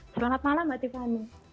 selamat malam mbak tiffany